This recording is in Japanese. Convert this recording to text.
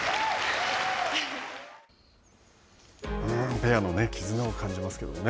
ペアの絆を感じますけどね。